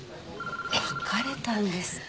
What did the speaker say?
別れたんですか。